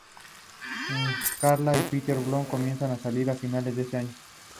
Carla y Peter Barlow comienzan a salir a finales de ese año.